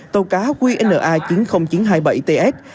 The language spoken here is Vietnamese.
tàu cá qna chín mươi nghìn chín trăm hai mươi bảy ts